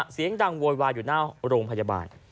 เสียงดังโวยวายอยู่หน้าโรงพยาบาล